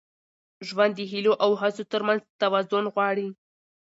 ژوند د هیلو او هڅو تر منځ توازن غواړي.